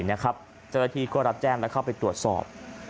เจ้าหน้าที่ก็รับแจ้งและเข้าไปตรวจสอบ